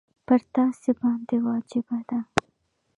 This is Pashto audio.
پر تاسي باندي واجبه ده.